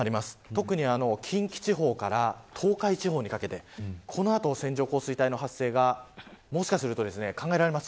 特に近畿地方から東海地方にかけてこの後、線状降水帯の発生がもしかすると考えられます。